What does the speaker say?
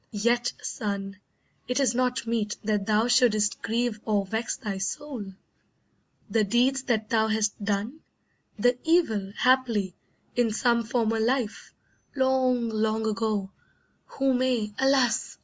Yet, son, it is not meet that thou shouldst grieve Or vex thy soul. The deeds that thou hast done, The evil, haply, in some former life, Long, long ago, who may alas!